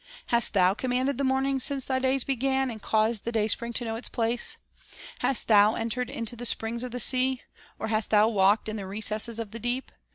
Hast thou commanded the morning since thy days began, And caused the dayspring to know its place? ..." Hast thou entered into the springs of the sea? Or hast thou walked in the recesses of the deep?